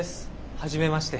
はじめまして。